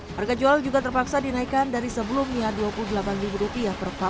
harga jual juga terpaksa dinaikkan dari sebelumnya rp dua puluh delapan